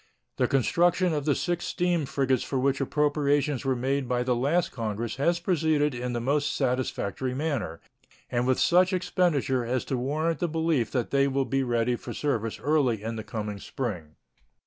The construction of the six steam frigates for which appropriations were made by the last Congress has proceeded in the most satisfactory manner and with such expedition as to warrant the belief that they will be ready for service early in the coming spring.